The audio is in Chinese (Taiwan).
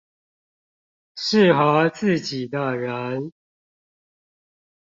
適合自己的人